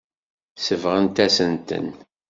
Sebɣent-asent-ten.